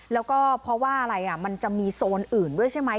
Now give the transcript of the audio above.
แล้วก็เพราะว่าอะไรมันจะมีโซนอื่นด้วยใช่ไหม